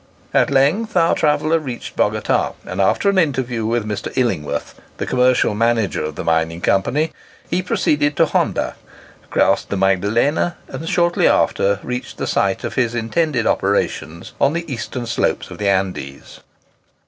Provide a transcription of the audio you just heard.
At length our traveller reached Bogota, and after an interview with Mr. Illingworth, the commercial manager of the mining Company, he proceeded to Honda, crossed the Magdalena, and shortly after reached the site of his intended operations on the eastern slopes of the Andes.